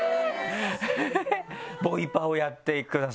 「ボイパをやってください」